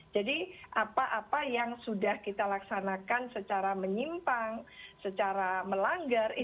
jadi apa apa yang sudah kita laksanakan secara menyimpang secara melanggar